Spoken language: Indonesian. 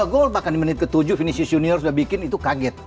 dua gol bahkan di menit ke tujuh finisius junior sudah bikin itu kaget